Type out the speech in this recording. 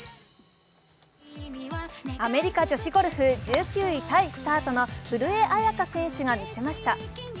アメリカ女子ゴルフ１９位タイスタートの古江彩佳選手が見せました。